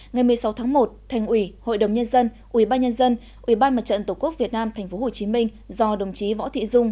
ngày một mươi sáu tháng một thành ủy hội đồng nhân dân ubnd ubnd tổ quốc việt nam tp hcm do đồng chí võ thị dung